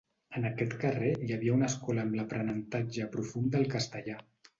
En aquest carrer hi havia una escola amb l'aprenentatge profund del castellà.